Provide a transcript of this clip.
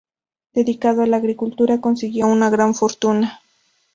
Dedicado a la agricultura, consiguió una gran fortuna.